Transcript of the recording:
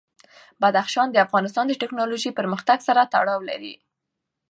بدخشان د افغانستان د تکنالوژۍ پرمختګ سره تړاو لري.